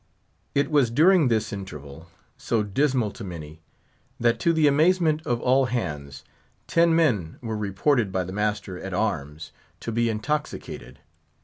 It was during this interval, so dismal to many, that to the amazement of all hands, ten men were reported by the master at arms to be intoxicated.